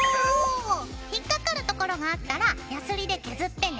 引っ掛かる所があったらやすりで削ってね。